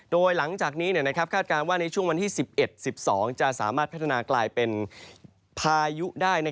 โดยหลังจากนี้คาดการณ์ว่าในช่วงวันที่๑๑๑๒จะสามารถพัฒนากลายเป็นพายุได้